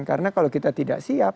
karena kalau kita tidak siap